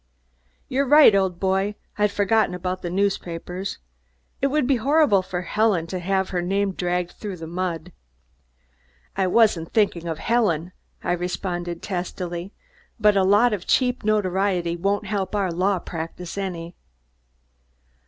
"You're right, old boy! I'd forgotten about the newspapers. It would be horrible for Helen to have her name dragged through the mud." "I wasn't thinking of Helen," I responded testily, "but a lot of cheap notoriety won't help our law practise any."